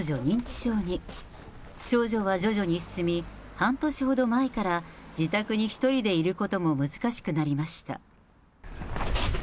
症状は徐々に進み、半年ほど前から自宅に１人でいることも難しくなりました。